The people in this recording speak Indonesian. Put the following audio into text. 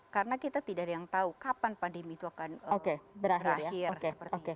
karena kita tidak ada yang tahu kapan pandemi itu akan berakhir